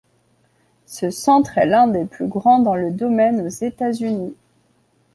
Ce centre est l'un des plus grands dans le domaine aux États-Unis.